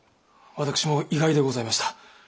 私も意外でございました。